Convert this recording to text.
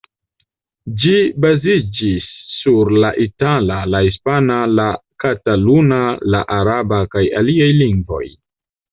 Ĝi baziĝis sur la itala, la hispana, la kataluna, la araba kaj aliaj lingvoj.